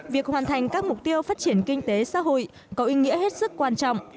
việc hoàn thành các mục tiêu phát triển kinh tế xã hội có ý nghĩa hết sức quan trọng